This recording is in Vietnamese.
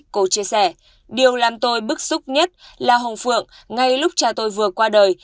cô chia sẻ điều làm tôi bức xúc nhất là hồng phượng ngay lúc cha tôi vừa qua đời